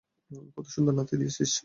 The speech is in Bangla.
কতো সুন্দর নাতি দিয়েছিস তুই।